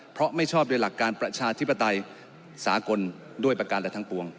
เพราะไม่ชอบด้วยหลักการประชาธิปไตยสากลด้วยประการและทั้งปวง